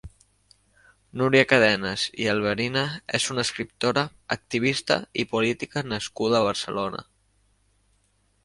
Núria Cadenes i Alabèrnia és una escriptora, activista i política nascuda a Barcelona.